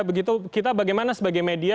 begitu kita bagaimana sebagai media